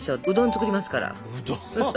うどん作りますから。